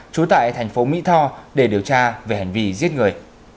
trú tại thành phố mỹ tho để điều tra về hành vi giết người